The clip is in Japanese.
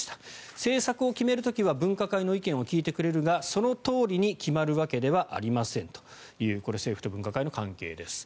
政策を決める時は分科会の意見を聞いてくれるがそのとおりに決まるわけではありませんというこれ、政府と分科会の関係です。